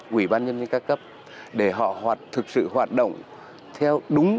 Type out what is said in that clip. quỹ ban nhân dân ca cấp để họ thực sự hoạt động theo đúng